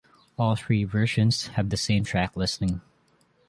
All three versions have the same track listing.